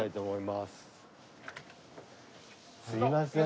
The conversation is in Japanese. すいません。